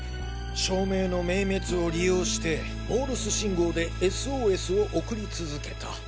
照明の明滅を利用してモールス信号でＳＯＳを送り続けた。